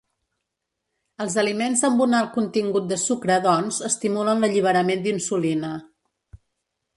Els aliments amb un alt contingut de sucre, doncs, estimulen l’alliberament d’insulina.